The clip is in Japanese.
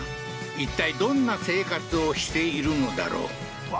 いったいどんな生活をしているのだろううわ